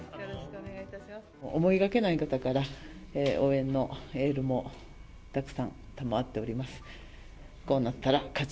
思いがけない方から応援のエールもたくさん賜っております。